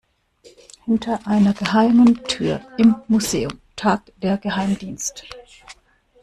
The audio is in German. Hinter einer geheimen Tür im Museum tagt der Geheimdienst.